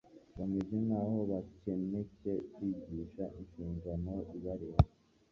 bameze nk'aho bakencye kwigishwa inshingano ibareba,